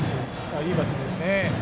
いいバッティングですね。